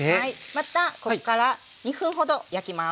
またこっから２分ほど焼きます。